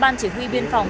ban chỉ huy biên phòng